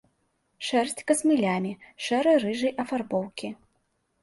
Шэрсць касмылямі шэра-рыжай афарбоўкі.